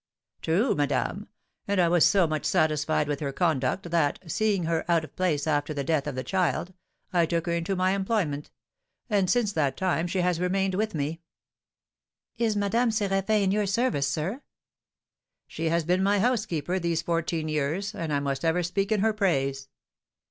"True, madame. And I was so much satisfied with her conduct, that, seeing her out of place after the death of the child, I took her into my employment; and, since that time, she has remained with me." "Is Madame Séraphin in your service, sir?" "She has been my housekeeper these fourteen years, and I must ever speak in her praise."